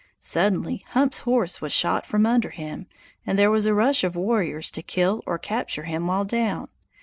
Suddenly Hump's horse was shot from under him, and there was a rush of warriors to kill or capture him while down.